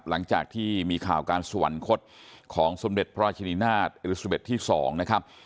หลังจากที่มีข่าวการสวรรคตของสมเด็จพระราชนินาศเอลิซิเบสที่๒นะครับ